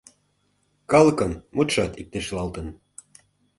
Калыкын мутшат иктешлалтын.